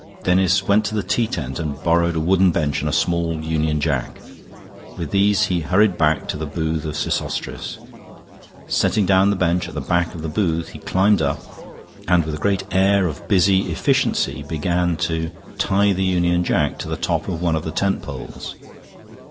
Denis went to the tea tent and borrowed a wooden bench and a small Union Jack. With these he hurried back to the booth of Sesostris. Setting down the bench at the back of the booth, he climbed up, and with a great air of busy efficiency began to tie the Union Jack to the top of one of the tent poles.